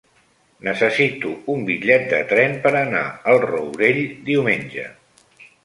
Necessito un bitllet de tren per anar al Rourell diumenge.